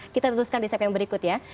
kita teruskan di set yang berikut ya